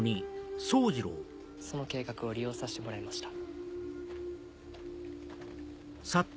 その計画を利用させてもらいました。